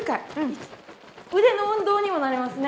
腕の運動にもなりますね。